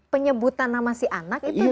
penyebutan nama si anak itu